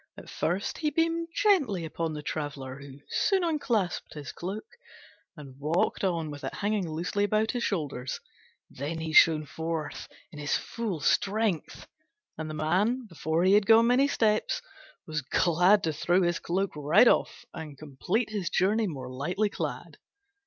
At first he beamed gently upon the traveller, who soon unclasped his cloak and walked on with it hanging loosely about his shoulders: then he shone forth in his full strength, and the man, before he had gone many steps, was glad to throw his cloak right off and complete his journey more lightly clad.